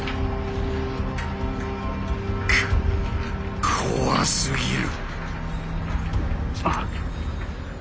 こ怖すぎる。